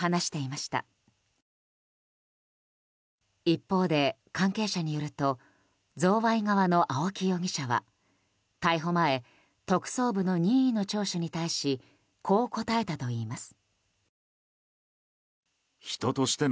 一方で、関係者によると贈賄側の青木容疑者は逮捕前、特捜部の任意の聴取に対し、こう答えたといいます。